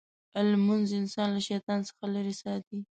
لمونځ انسان له شیطان څخه لرې ساتي.